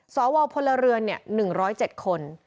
สวพลเรือน๑๐๗คน